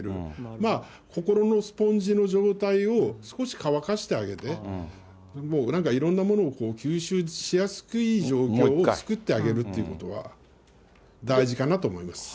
まあ、心のスポンジの状態を、少し乾かしてあげて、なんかいろんなものを吸収しやすい状況を作ってあげるっていうことは大事かなと思います。